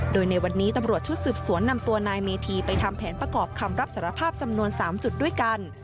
โดยในวันนี้ตำรวจชุดสืบสวนนำตัวนายเมธีไปทำแผนประกอบคำรับสารภาพจำนวน๓จุดด้วยกัน